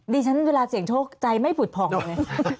ดิฉันเวลาเสี่ยงโชคใจไม่ผุดผ่องออกเลย